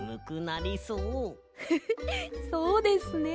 フフッそうですね。